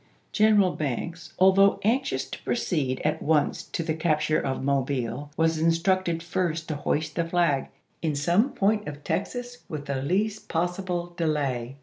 Haueckto Gr^neral Banks, although anxious to proceed at AugXi863. once to the captm e of Mobile, was instructed first ^^boivL^^' to hoist the flag "in some point of Texas with the p.'^672.' least possible delay."